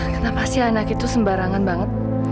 kenapa sih anak itu sembarangan banget